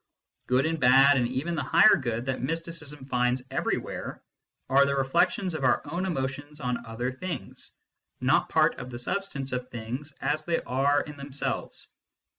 Good and bad, and even the higher good that mysticism finds everywhere, are the reflections of our own emotions on other things, not part of the substance of things as they are in themselves.